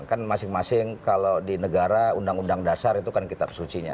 kan masing masing kalau di negara undang undang dasar itu kan kitab sucinya